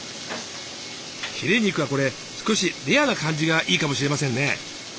ヒレ肉はこれ少しレアな感じがいいかもしれませんね。